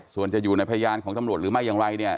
ส่วนจะอยู่ในพยานของจำหนวดหรือไม่อย่างไร